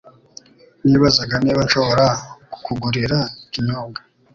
Nibazaga niba nshobora kukugurira ikinyobwa.